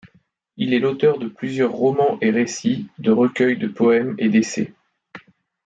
Il est l’auteur de plusieurs romans et récits, de recueils de poèmes et d’essais.